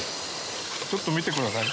ちょっと見てください。